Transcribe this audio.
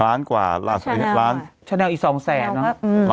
ล้านกว่าล้านชาแนลอีกสองแสนเนอะอืม